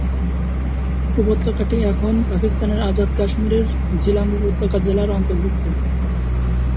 উপত্যকাটি এখন পাকিস্তানের আজাদ কাশ্মীরের ঝিলাম উপত্যকা জেলার অন্তর্ভুক্ত।